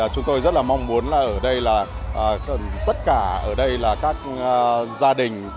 chúng tôi rất là mong muốn là ở đây là tất cả ở đây là các gia đình